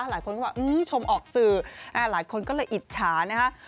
หลายคนก็บอกชมออกสื่อหลายคนก็เลยอิจฉานะคะ